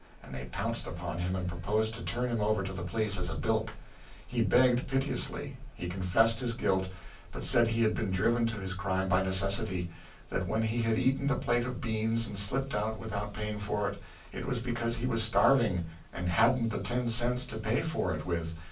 and they pounced upon him and proposed to turn him over to the police as a bilk. He begged piteously. He confessed his guilt, but said he had been driven to his crime by necessity that when he had eaten the plate of beans and flipped out without paying for it, it was because he was starving, and hadn't the ten cents to pay for it with.